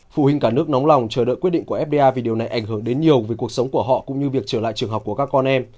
phụ huynh cả nước nóng lòng chờ đợi quyết định của fda vì điều này ảnh hưởng đến nhiều về cuộc sống của họ cũng như việc trở lại trường học của các con em